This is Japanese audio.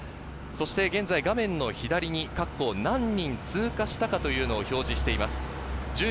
現在、画面の左に各校、何人通過したかというのを表示しています。